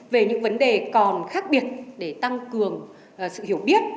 về những vấn đề còn khác biệt để tăng cường sự hiểu biết